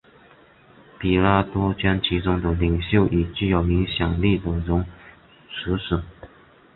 彼拉多将其中的领袖与具有影响力的人处死。